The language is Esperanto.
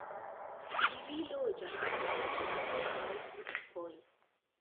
Ili loĝas laŭ paroj aŭ grupoj.